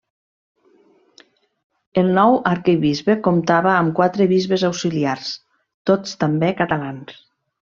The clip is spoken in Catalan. El nou arquebisbe comptava amb quatre bisbes auxiliars, tots també catalans.